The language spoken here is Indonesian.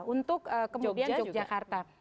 untuk kemudian jogjakarta